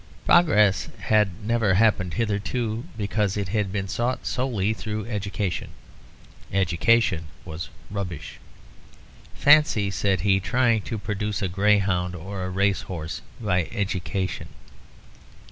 Progress had never happened hitherto, because it had been sought solely through education. Education was rubbish. "Fancy," said he, "trying to produce a greyhound or a racehorse by education!"